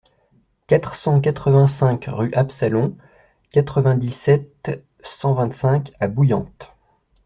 quatre cent quatre-vingt-cinq rue Absalon, quatre-vingt-dix-sept, cent vingt-cinq à Bouillante